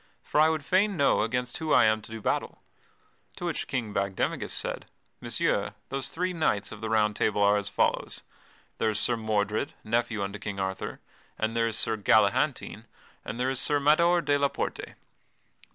For I would fain know against whom I am to do battle." To which King Bagdemagus said: "Messire, those three knights of the Round Table are as follows there is Sir Mordred, nephew unto King Arthur, and there is Sir Galahantine, and there is Sir Mador de la Porte."